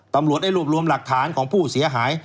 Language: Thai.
ตำรวจได้รวบรวมหลักฐานของผู้เสียหาย